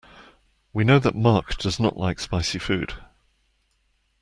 We know that Mark does not like spicy food.